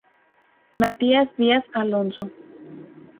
Matías Díaz Alonso.